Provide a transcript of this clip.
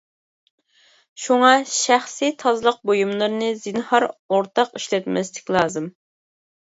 شۇڭا، شەخسىي تازىلىق بۇيۇملىرىنى زىنھار ئورتاق ئىشلەتمەسلىك لازىم.